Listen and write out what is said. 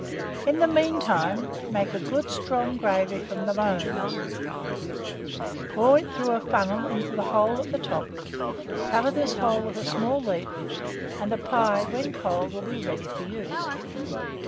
In the mean time, make a good strong gravy from the bones, pour it through a funnel into the hole at the top; cover this hole with a small leaf, and the pie, when cold, will be ready for use.